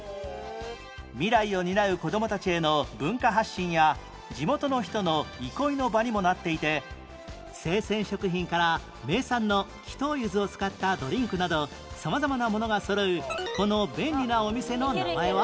未来を担う子供たちへの文化発信や地元の人の憩いの場にもなっていて生鮮食品から名産の木頭ゆずを使ったドリンクなど様々なものがそろうこの便利なお店の名前は？